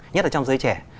nhất là trong giới trẻ